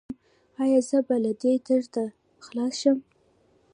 ایا زه به له دې درده خلاص شم؟